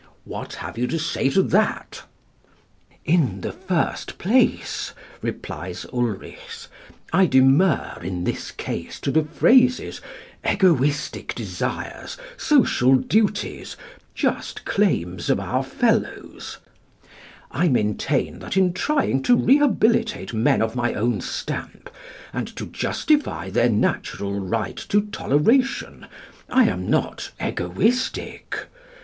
' What have you to say to that?" In the first place, replies Ulrichs, I demur in this case to the phrases egoistic desires, social duties, just claims of our fellows. I maintain that in trying to rehabilitate men of my own stamp and to justify their natural right to toleration I am not egoistic.